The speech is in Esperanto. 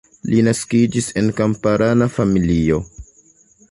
Li naskiĝis en kamparana familio.